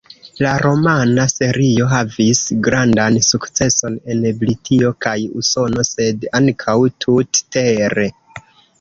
La romana serio havis grandan sukceson en Britio kaj Usono sed ankaŭ tut-tere.